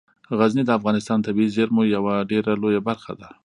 غزني د افغانستان د طبیعي زیرمو یوه ډیره لویه برخه ده.